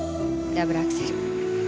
ダブルアクセル。